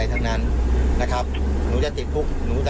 อย่างนั้นยอมรับก็ได้ค่ะ